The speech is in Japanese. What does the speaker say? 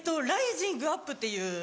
ライジング・アップっていう。